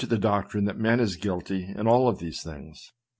the doctrine that man is guilty in all these things.